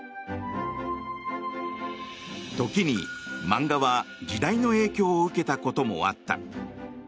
時に、漫画は時代の影響を受けたこともあった。